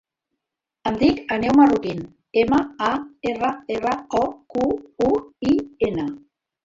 Em dic Aneu Marroquin: ema, a, erra, erra, o, cu, u, i, ena.